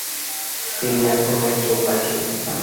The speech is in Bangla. তুমি এখন একজন ভাইকিং।